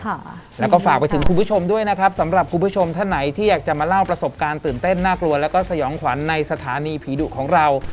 ค่ะแล้วก็ฝากไปถึงคุณผู้ชมด้วยนะครับสำหรับคุณผู้ชมท่านไหนที่อยากจะมาเล่าประสบการณ์ตื่นเต้นน่ากลัวแล้วก็สยองขวัญในสถานีผีดุของเรา